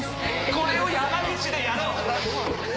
これを山口でやろう！